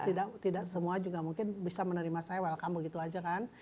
karena tidak semua juga mungkin bisa menerima saya welcome begitu aja kan